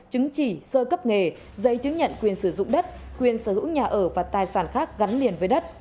chứng chỉ sơ cấp nghề giấy chứng nhận quyền sử dụng đất quyền sở hữu nhà ở và tài sản khác gắn liền với đất